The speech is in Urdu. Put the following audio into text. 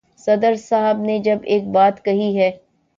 صدر صاحب نے جب ایک بات کہی ہے۔